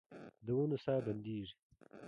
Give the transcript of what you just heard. د ونو ساه بندیږې